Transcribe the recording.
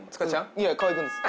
いや河合君です。